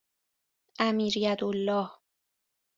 امیریدالله